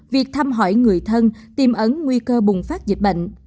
việc thăm hỏi người thân tìm ấn nguy cơ bùng phát dịch bệnh